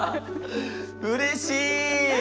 うれしい！